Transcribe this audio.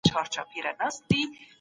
مرګ له خپله لاسه